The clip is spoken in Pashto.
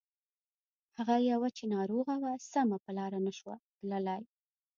هغه يوه چې ناروغه وه سمه په لاره نه شوه تللای.